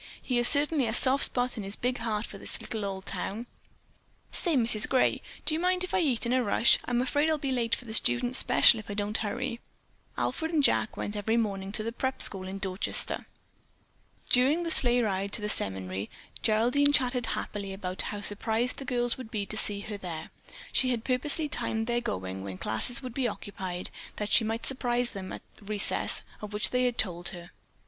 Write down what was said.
He certainly has a soft spot in his big heart for this little old town. Say, Mrs. Gray, do you mind if I eat in a rush? I'm afraid I'll be late for the students' special if I don't hurry." Alfred and Jack went every morning to the "Prep" school in Dorchester. During the sleigh ride to the seminary Geraldine chatted happily about how surprised the girls would be to see her there. She had purposely timed their going, when classes would be occupied, that she might surprise them at the recess of which they had told her.